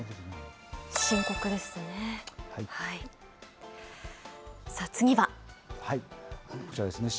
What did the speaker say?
深刻ですね。